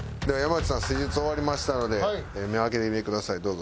では山内さん施術終わりましたので目を開けてみてください。